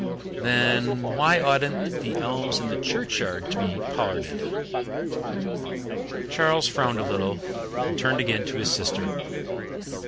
"Then why oughtn't the elms in the churchyard to be pollarded?" Charles frowned a little, and turned again to his sister.